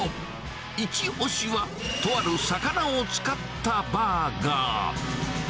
イチ推しは、とある魚を使ったバーガー。